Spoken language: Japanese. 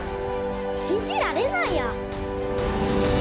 信じられないや。